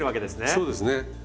そうですね。